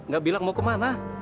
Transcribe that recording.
gak bilang mau kemana